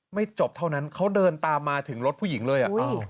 ไม่จบเท่านั้นเขาเดินตามมาถึงรถผู้หญิงเลย